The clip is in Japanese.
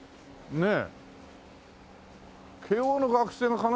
ねえ。